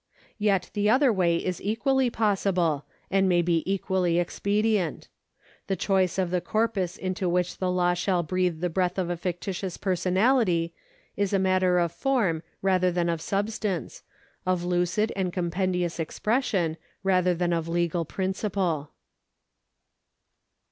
Yet the other way is equally possible, and may be equally expedient. The choice of the corpus into which the law shall breathe the breath of a fictitious personality is a matter of form rather than of sub stance, of lucid and compendious expression rather than of legal principle.